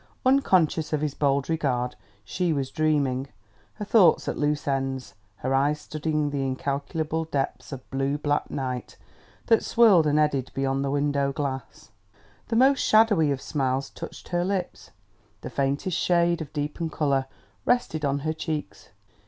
Unconscious of his bold regard, she was dreaming, her thoughts at loose ends, her eyes studying the incalculable depths of blue black night that swirled and eddied beyond the window glass. The most shadowy of smiles touched her lips, the faintest shade of deepened color rested on her cheeks....